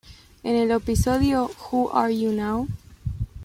En el episodio "Who Are You Now?